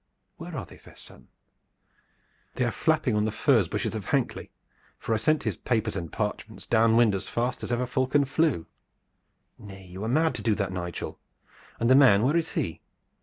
"Where are they, fair son?" "They are flapping on the furze bushes of Hankley, for I sent his papers and parchments down wind as fast as ever falcon flew." "Nay! you were mad to do that, Nigel. And the man, where is he?"